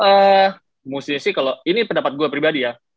eh musti sih kalau ini pendapat gua pribadi ya